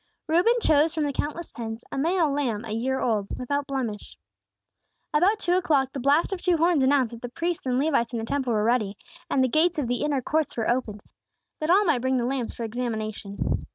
Reuben chose, from the countless pens, a male lamb a year old, without blemish. About two o'clock the blast of two horns announced that the priests and Levites in the Temple were ready, and the gates of the inner courts were opened, that all might bring the lambs for examination.